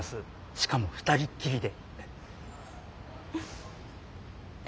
しかも二人きりで。